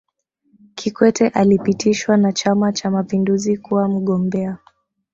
kikwete alipitishwa na chama cha mapinduzi kuwa mgombea